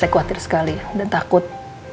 saya khawatir sekali dan takut